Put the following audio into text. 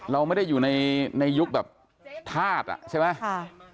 เราไม่ได้อยู่ในยุคแบบธาตุอ่ะใช่ไหม